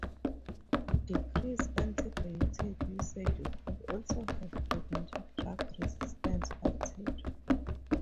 Decreased antibiotic usage could also have prevented drug resistant bacteria.